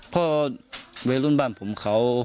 พอเวรุ่นบ้านผมเขา